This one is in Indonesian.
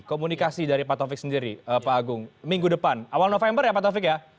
komunikasi dari pak taufik sendiri pak agung minggu depan awal november ya pak taufik ya